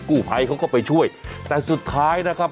กู้ภัยเขาก็ไปช่วยแต่สุดท้ายนะครับ